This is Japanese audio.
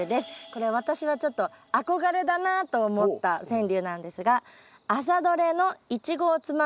これ私はちょっと憧れだなと思った川柳なんですが。